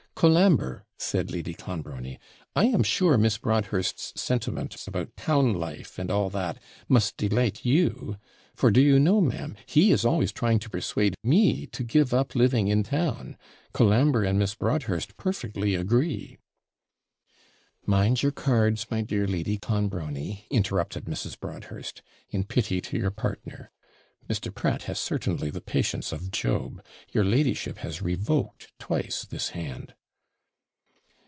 'Colambre,' said Lady Clonbrony, 'I am sure Miss Broadhurst's sentiments about town life, and all that, must delight you; for do you know, ma'am, he is always trying to persuade me to give up living in town? Colambre and Miss Broadhurst perfectly agree.' 'Mind your cards, my dear Lady Clonbrony,' interrupted Mrs. Broadhurst, 'in pity to your partner. Mr. Pratt has certainly the patience of Job your ladyship has revoked twice this hand.'